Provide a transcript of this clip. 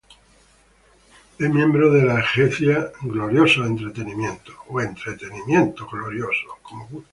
Es miembro de la agencia "Glorious Entertainment".